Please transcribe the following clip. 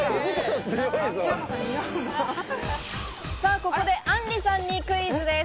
ここで、あんりさんにクイズです。